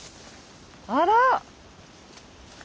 あら！